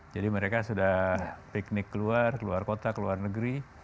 jadi mereka sudah piknik keluar keluar kota keluar negeri